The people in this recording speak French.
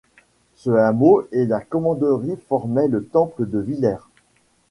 Ce hameau et la Commanderie formaient le Temple de Villers.